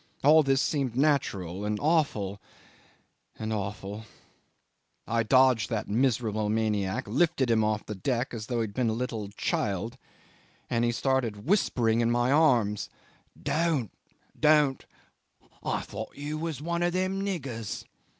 All this seemed natural and awful and awful. I dodged that miserable maniac, lifted him off the deck as though he had been a little child, and he started whispering in my arms: 'Don't! don't! I thought you were one of them niggers.